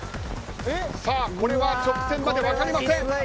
これは直線まで分かりません。